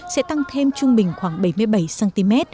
sẽ tăng thêm trung bình khoảng bảy mươi bảy cm